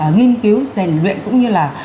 nghiên cứu rèn luyện cũng như là